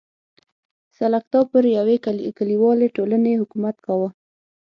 سلکتا پر یوې کلیوالې ټولنې حکومت کاوه.